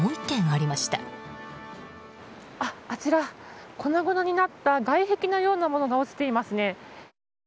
あちら、粉々になった外壁のようなものが落ちていますね。